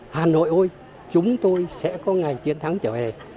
hà nội ơi chúng tôi sẽ có ngày chiến thắng trở về